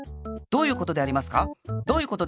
どういうことでありますか？